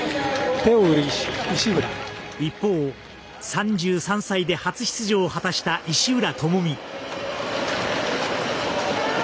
一方、３３歳で初出場を果たした石浦智美。